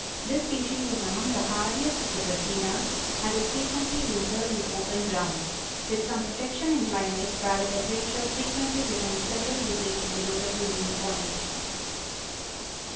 This species is among the hardiest of the Dracænas, and is frequently wintered in the open ground, with some protection in climates where the temperature frequently descends several degrees below the freezing point.